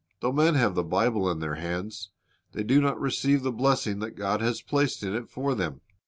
Though men have the Bible in their hands, they do not receive the blessing that God has placed in it for them.